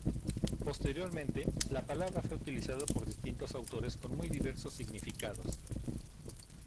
Posteriormente, la palabra fue utilizada por distintos autores con muy diversos significados.